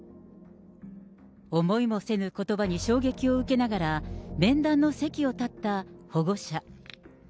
思いもせぬことばに衝撃を受けながら、面談の席を立った保護者。